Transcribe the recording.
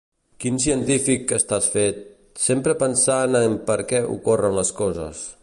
Quin científic que estàs fet… Sempre pensant en per què ocorren les coses.